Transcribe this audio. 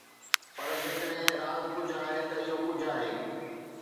پر جيڪڏهن راند ڪجهه آهي، ته اهو ڪجهه آهي.